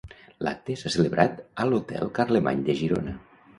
L'acte s'ha celebrat a l'hotel Carlemany de Girona.